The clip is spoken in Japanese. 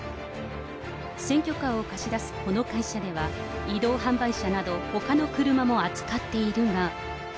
選挙カーを貸し出すこの会社では、移動販売車など、ほかの車も扱っているが。